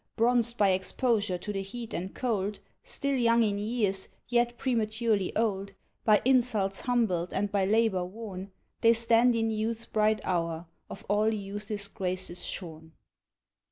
Bronzed by exposure to the heat and cold, Still young in years, yet prematurely old, By insults humbled and by labor worn, They stand in youth's bright hour, of all youth's graces shorn.